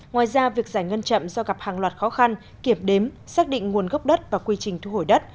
ngoài ra việc giải ngân chậm do gặp hàng loạt khó khăn kiểm đếm xác định nguồn gốc đất và quy trình thu hồi đất